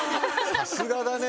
さすがだね。